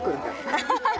アハハッ。